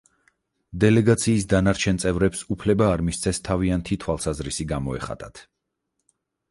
დელეგაციის დანარჩენ წევრებს უფლება არ მისცეს თავიანთი თვალსაზრისი გამოეხატათ.